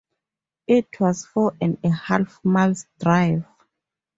It was four and a half miles’ drive.